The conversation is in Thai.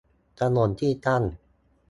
ถนนที่ตั้ง